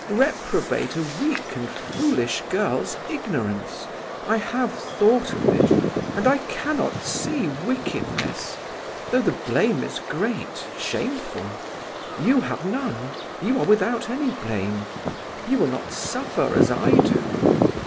Reprobate a weak and foolish girl's ignorance. I have thought of it, and I cannot see wickedness, though the blame is great, shameful. You have none. You are without any blame. You will not suffer as I do.